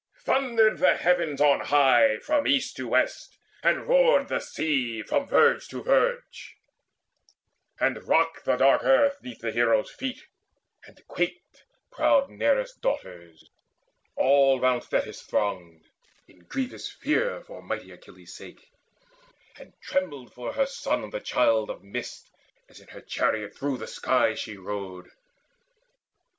Thundered the heavens on high from east to west, And roared the sea from verge to verge, and rocked The dark earth 'neath the heroes' feet, and quaked Proud Nereus' daughters all round Thetis thronged In grievous fear for mighty Achilles' sake; And trembled for her son the Child of the Mist As in her chariot through the sky she rode.